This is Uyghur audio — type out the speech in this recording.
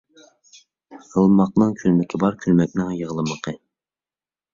غلىماقنىڭ كۈلمىكى بار، كۈلمەكنىڭ يىغلىمىقى.